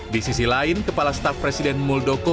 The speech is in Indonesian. di sisi lain kepala staf presiden muldoko